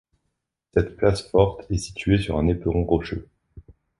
Cette place forte est située sur un éperon rocheux.